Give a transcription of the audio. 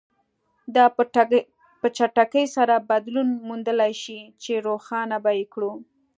دا په چټکۍ سره بدلون موندلای شي چې روښانه به یې کړو.